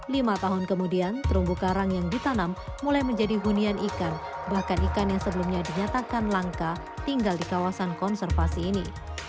lima tahun kemudian terumbu karang yang ditanam mulai menjadi hunian ikan bahkan ikan yang sebelumnya dinyatakan langka tinggal di kawasan konservasi ini